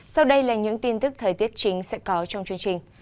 sau đây là những tin tức thời tiết chính sẽ có trong chương trình